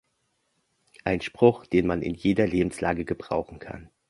Ein Spruch, den man in jeder Lebenslage gebrauchen kann!